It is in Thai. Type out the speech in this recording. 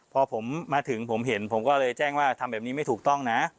พอผมมาถึงผมเห็นผมก็เลยแจ้งว่าทำแบบนี้ไม่ถูกต้องนะ